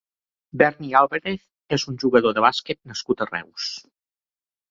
Berni Álvarez és un jugador de bàsquet nascut a Reus.